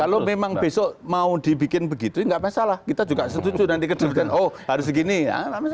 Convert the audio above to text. kalau memang besok mau dibikin begitu tidak masalah kita juga setuju nanti ke depan oh harus begini ya